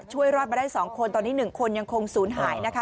ช่วยรอดมาได้สองคนตอนนี้หนึ่งคนยังคงศูนย์หายนะคะ